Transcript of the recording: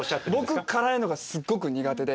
僕辛いのがすごく苦手で。